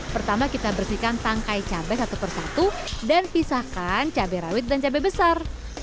pertama kita bersihkan tangkai cabai satu persatu dan pisahkan cabai rawit dan cabai besar